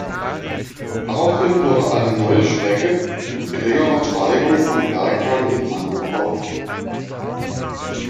Daraufhin wurde eine neue Strecke mit geringerer Steigung am Berghang entlang gebaut.